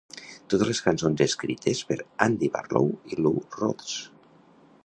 Totes les cançons escrites per Andy Barlow i Lou Rhodes.